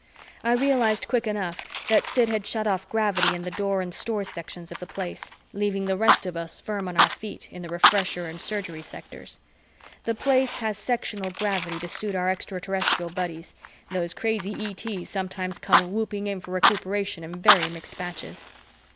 I realized quick enough that Sid had shut off gravity in the Door and Stores sectors of the Place, leaving the rest of us firm on our feet in the Refresher and Surgery sectors. The Place has sectional gravity to suit our Extraterrestrial buddies those crazy ETs sometimes come whooping in for recuperation in very mixed batches.